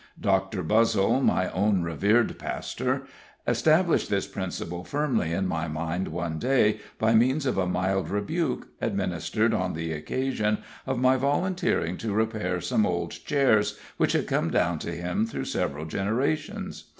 Doctor Buzzle, my own revered pastor, established this principle firmly in my mind one day by means of a mild rebuke, administered on the occasion of my volunteering to repair some old chairs which had come down to him through several generations.